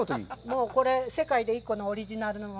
もう、これ、世界で１個のオリジナルの。